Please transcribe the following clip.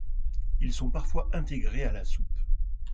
Ils sont parfois intégrés à la soupe.